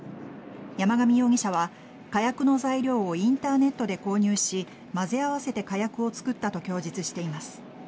山上容疑者は火薬の材料をインターネットで購入しまぜ合わせて火薬を作ったと供述しています。